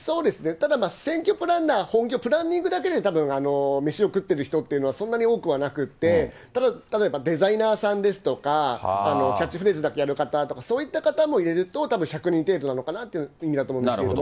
ただ選挙プランナー、本業、プランニングだけで飯を食ってる人っていうのはそんなに多くはなくって、例えばデザイナーさんですとか、キャッチフレーズだけやる方とか、そういった方も入れると、たぶん１００人程度なのかなという意味だと思うんですけど。